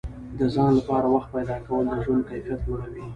د ځان لپاره وخت پیدا کول د ژوند کیفیت لوړوي.